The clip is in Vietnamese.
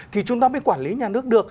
thì chúng ta mới quản lý nhà nước được